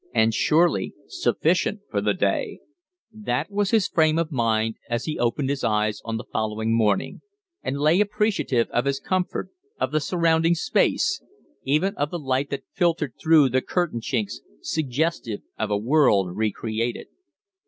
And, surely, sufficient for the day That was his frame of mind as he opened his eyes on the following morning, and lay appreciative of his comfort, of the surrounding space, even of the light that filtered through the curtain chinks, suggestive of a world recreated.